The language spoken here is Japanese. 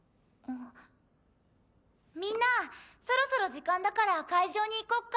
みんなそろそろ時間だから会場に行こっか。